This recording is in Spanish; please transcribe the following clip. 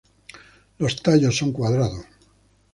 Los tallos son cuadrados.